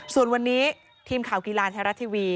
ส่วนวันนี้ทีมข่าวกีฬาไทยรัฐทีวี